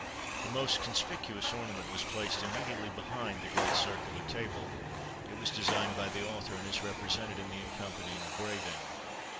The most conspicuous ornament was placed immediately behind the great circular table; it was designed by the author, and is represented in the accompanying engraving.